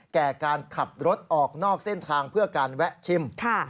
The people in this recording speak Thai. แก่การขับรถออกนอกเส้นทางเพื่อการแวะชิม